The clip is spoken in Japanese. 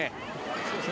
そうですね。